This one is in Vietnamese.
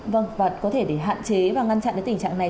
vâng và có thể để hạn chế và ngăn chặn cái tình trạng này